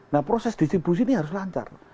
nah proses distribusi ini harus lancar